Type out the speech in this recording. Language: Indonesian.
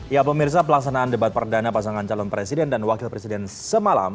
ya pemirsa pelaksanaan debat perdana pasangan calon presiden dan wakil presiden semalam